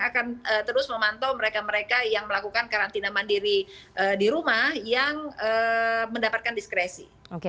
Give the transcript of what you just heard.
akan terus memantau mereka mereka yang melakukan karantina mandiri di rumah yang mendapatkan diskresi